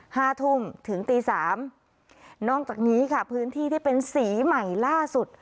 ห้าทุ่มถึงตีสามนอกจากนี้ค่ะพื้นที่ที่เป็นสีใหม่ล่าสุด